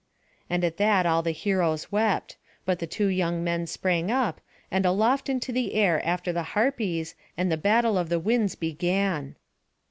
At that all the heroes wept; but the two young men sprang up, and aloft into the air after the Harpies, and the battle of the winds began.